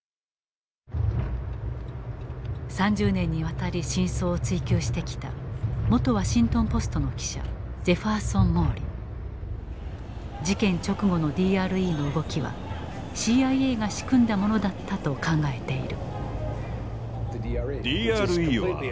３０年にわたり真相を追究してきた事件直後のＤＲＥの動きはＣＩＡが仕組んだものだったと考えている。